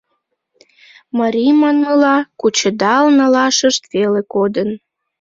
Марий манмыла, кучедал налашышт веле кодын...